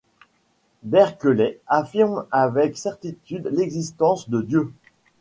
Berkeley affirme avec certitude l'existence de Dieu.